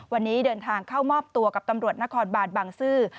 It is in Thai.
วันนี้เดินทางเข้ามอบตัวกับตำรวจนครบานบางซื่อ